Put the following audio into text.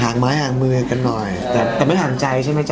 ไม้ห่างมือกันหน่อยแต่แต่ไม่ห่างใจใช่ไหมจ๊